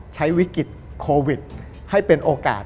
ใช้วิกฤตโควิดให้เป็นโอกาส